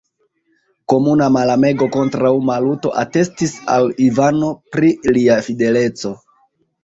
Komuna malamego kontraŭ Maluto atestis al Ivano pri lia fideleco.